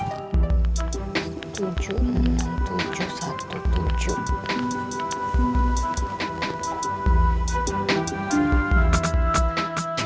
masih kunt glory